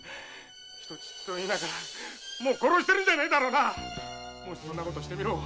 人質といいながらもう殺してるんじゃねえだろな⁉もしそんなことしてみろ。